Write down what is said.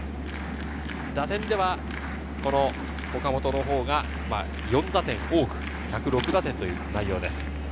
打点では岡本のほうが４打点多く１０６打点という内容です。